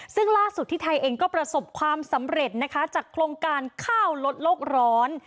ซึ่งล่าสุดที่ไทยเองก็ประสบความสำเร็จนะคะจากโครงการข้าวลดโลกร้อน